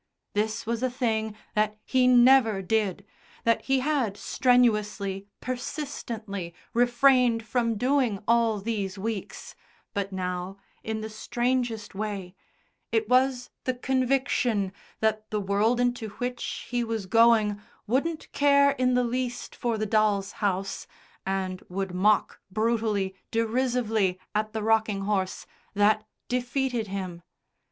This was a thing that he never did, that he had strenuously, persistently refrained from doing all these weeks, but now, in the strangest way, it was the conviction that the world into which he was going wouldn't care in the least for the doll's house, and would mock brutally, derisively at the rocking horse, that defeated him.